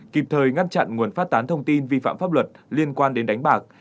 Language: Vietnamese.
kịp thời ngăn chặn nguồn phát tán thông tin vi phạm pháp luật liên quan đến đánh bạc